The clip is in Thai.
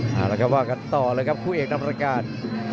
แล้วก็ว่ากันต่อเลยครับคู่เอกนำรากาศ